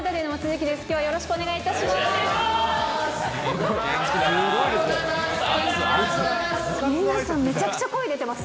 きょうはよろしくお願いいたします。